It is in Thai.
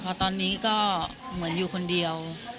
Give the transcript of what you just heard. เพราะตอนนี้ก็เหมือนอยู่คนเดียว